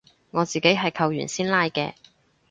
我自己係扣完先拉嘅